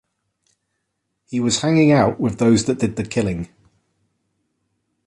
He was hanging out with those that did the killing.